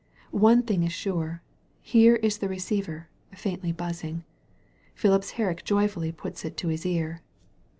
One thing is sure — ^here is the receiver, faintly buzzing. Phipps Herrick joyfully puts it to his ear.